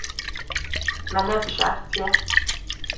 Me nebijartiye.